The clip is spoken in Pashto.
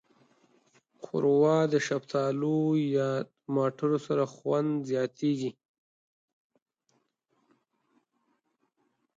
ښوروا د شفتالو یا ټماټو سره خوند زیاتیږي.